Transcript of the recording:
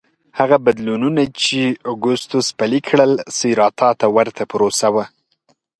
هغه بدلونونه چې اګوستوس پلي کړل سېراتا ته ورته پروسه وه